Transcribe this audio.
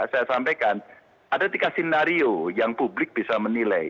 saya sampaikan ada tiga sinario yang publik bisa menilai